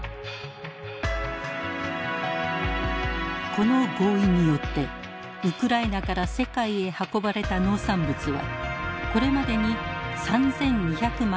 この合意によってウクライナから世界へ運ばれた農産物はこれまでに３，２００万トン以上。